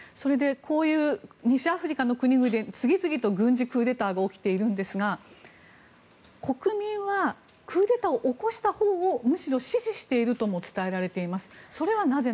こういう西アフリカの国々で次々と軍事クーデターが起きているんですが国民はクーデターを起こしたほうをむしろ支持しているとも伝えられています。